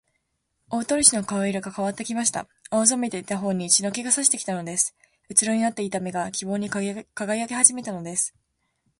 大鳥氏の顔色がかわってきました。青ざめていたほおに血の気がさしてきたのです。うつろになっていた目が、希望にかがやきはじめたのです。